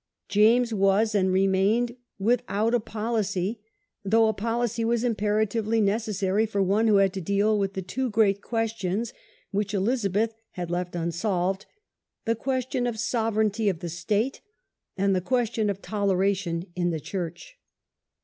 James was, and re mained, without a policy, though a policy was impera tively necessary for one who had to deal with the two great questions which Elizabeth had left unsolved, the question of Sovereignty of the state, and the question of toleration in the Church.